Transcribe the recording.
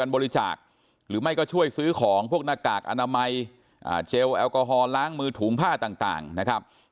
บริจาคหรือไม่ก็ช่วยซื้อของพวกหน้ากากอนามัยเจลแอลกอฮอลล้างมือถุงผ้าต่างนะครับ